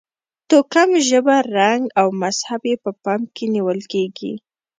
توکم، ژبه، رنګ او مذهب یې په پام کې نه نیول کېږي.